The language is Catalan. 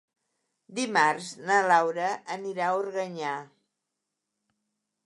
Dimarts na Laura anirà a Organyà.